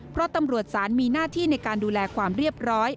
เพราะตำรวจศาลมีหน้าที่ในการดูแลความเรียบร้อย